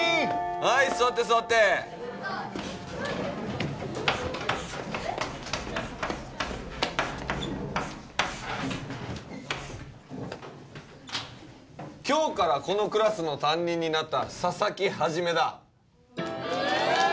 はい座って座って今日からこのクラスの担任になった佐々木一だ